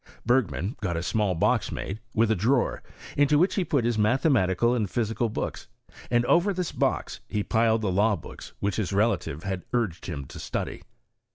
Bergman got a small box made, with a drawer, into which he put his mathematical and phy^eal books, and over this box he piled the law books which his relative had urged him to study.